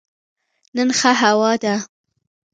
نن ښه هوا ده